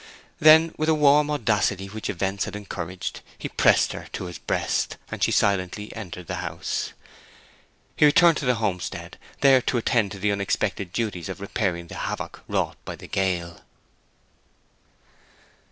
Then, with a warm audacity which events had encouraged, he pressed her to his breast, and she silently entered the house. He returned to the homestead, there to attend to the unexpected duties of repairing the havoc wrought by the gale.